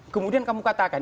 kemudian kamu katakan